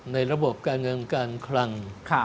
ระบบการเงินการคลัง